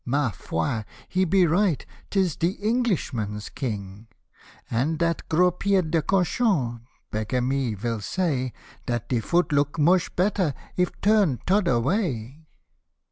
" Ma foi, he be right — 'tis de Englishman's King ; And d.2i\. gros pied de cochon — begar, me vil say Dat de foot look mosh better, if turned toder way."